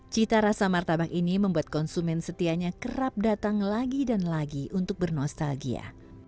cita rasa martabak ini membuat konsumen setianya kerap datang lagi dan lagi untuk bernostalgia